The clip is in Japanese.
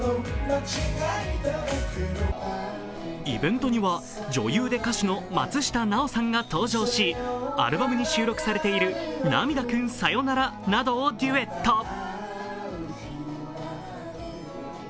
イベントには女優で歌手の松下奈緒さんが登場し、アルバムに収録されている「涙くんさよなら」などをデュエット。